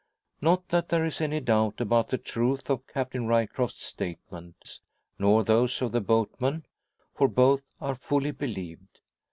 Not that there is any doubt about the truth of Captain Ryecroft's statements, nor those of the boatman; for both are fully believed.